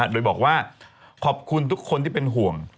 โดยบอกว่าขอบคุณทุกคนที่เป็นห่วง